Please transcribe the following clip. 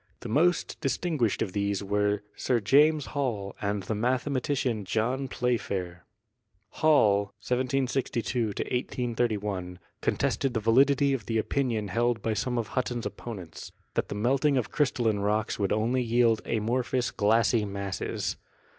The most distinguished of these were Sir James Hall and the mathematician John Playfair. Hall (1762 183 1 ) contested the validity of the opinion held by some of Hutton's opponents, that the melting of crystal 64 GEOLOGY line rocks would only yield amorphous glassy masses.